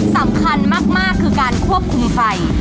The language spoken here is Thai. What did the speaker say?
สำคัญมากคือการควบคุมไฟ